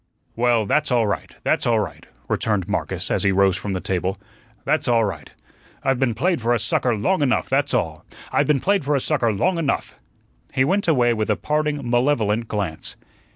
"Well, that's all right, that's all right," returned Marcus as he rose from the table. "That's all right. I've been played for a sucker long enough, that's all. I've been played for a sucker long enough." He went away with a parting malevolent glance.